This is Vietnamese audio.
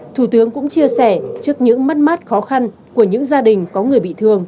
thủ tướng cũng chia sẻ trước những mắt mắt khó khăn của những gia đình có người bị thương